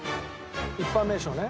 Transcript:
一般名称ね？